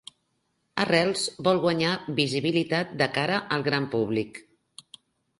Arrels vol guanyar visibilitat de cara al gran públic